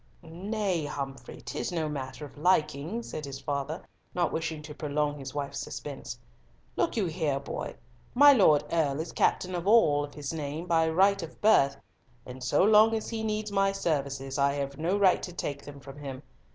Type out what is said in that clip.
"Nay, Humfrey, 'tis no matter of liking," said his father, not wishing to prolong his wife's suspense. "Look you here, boy, my Lord Earl is captain of all of his name by right of birth, and so long as he needs my services, I have no right to take them from him.